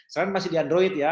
sekarang masih di android ya